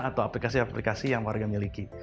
atau aplikasi aplikasi yang warga miliki